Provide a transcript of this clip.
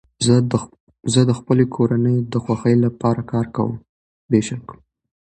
زه د خپلي کورنۍ د خوښۍ له پاره کار کوم.